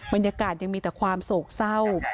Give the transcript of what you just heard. บรรยากาศยังมีแต่ความโศกเศร้า